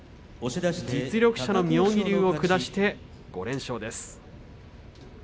実力者の妙義龍を下して５連勝です。